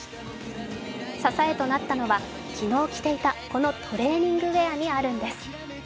支えとなったのは昨日着ていた、このトレーニングウエアにあるんです。